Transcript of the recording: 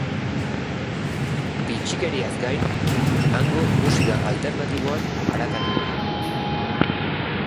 Bitxikeriez gain, hango musika alternatiboan arakatu dugu.